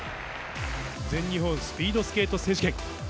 全日本スピードスケート選手権。